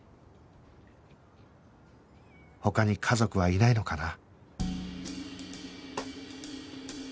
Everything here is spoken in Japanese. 他に家族はいないのかな？